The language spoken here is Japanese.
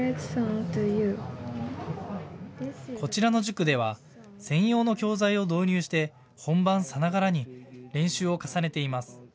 こちらの塾では専用の教材を導入して本番さながらに練習を重ねています。